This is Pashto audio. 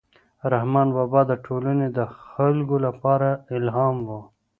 رحمان بابا د ټولنې د خلکو لپاره الهام و.